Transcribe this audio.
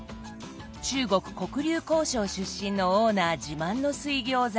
中国黒竜江省出身のオーナー自慢の水餃子がこちら。